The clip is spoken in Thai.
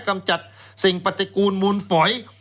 กำจัดสิ่งปฏิกูลมูลฝอย